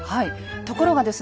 ところがですね